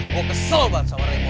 kau kesel bangetuesto rambo